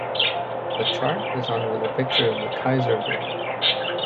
The chart is under the picture of the Kaiservilla.